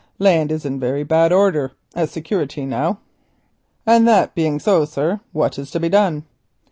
Land is in very bad odour as security now." "And that being so, sir, what is to be done?"